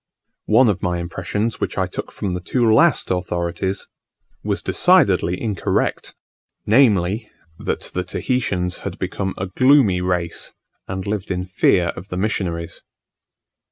One of my impressions which I took from the two last authorities, was decidedly incorrect; viz., that the Tahitians had become a gloomy race, and lived in fear of the missionaries.